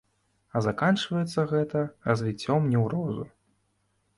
А заканчваецца гэта развіццём неўрозу.